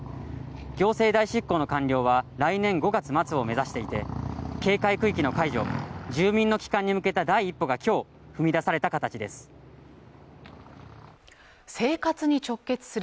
行政代執行の完了は来年５月末を目指していて警戒区域の解除も住民の帰還に向けた第一歩が今日踏み出された形です